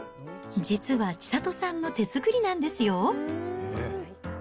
実は千里さんの手作りなんですよ。